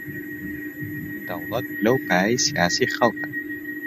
دەوڵەت پلە و پایەی سیاسیی خەڵکە